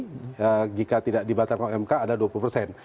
jadi hari ini jika tidak dibatalkan oleh umk ada dua puluh persen